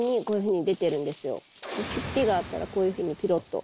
茎があったらこういうふうにピロっと。